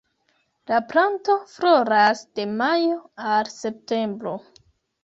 La planto floras de majo al septembro.